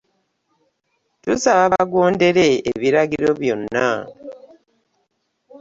Tubasaba bagondere ebiragiro byonna